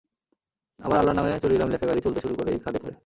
আবার আল্লাহর নামে চলিলাম লেখা গাড়ি চলতে শুরু করেই খাদে পড়ে।